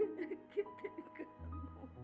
ibu ingin menjaga kamu